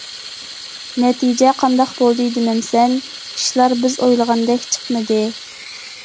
نەتىجە قانداق بولدى دېمەمسەن؟ ئىشلار بىز ئويلىغاندەك چىقمىدى.